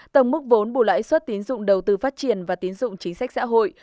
tổng mức vốn bù lãi suất tín dụng đầu tư phát triển và tín dụng chính sách xã hội